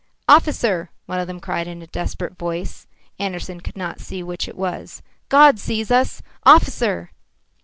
"Officer!" one of them cried in a desperate voice Andersen could not see which it was "God sees us! Officer!"